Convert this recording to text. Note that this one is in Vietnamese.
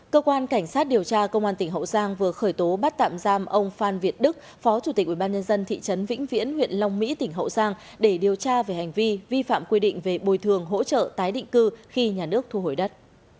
cơ quan cảnh sát điều tra công an tỉnh hậu giang vừa khởi tố bắt tạm giam ông phan việt đức phó chủ tịch ubnd thị trấn vĩnh viễn huyện long mỹ tỉnh hậu giang để điều tra về hành vi vi phạm quy định về bồi thường hỗ trợ tái định cư khi nhà nước thu hồi đất